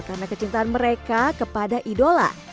karena kecintaan mereka kepada idola